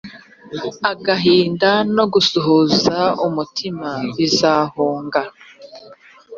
agahinda no gusuhuza umutima bizahunga